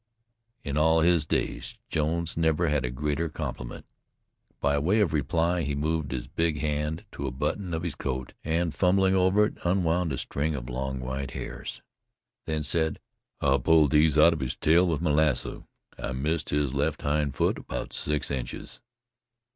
In all his days Jones never had a greater complement. By way of reply, he moved his big hand to button of his coat, and, fumbling over it, unwound a string of long, white hairs, then said: "I pulled these out of his tail with my lasso; it missed his left hind hoof about six inches."